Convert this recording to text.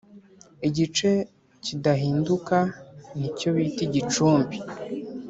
igice kidahinduka ni cyo bita igicumbi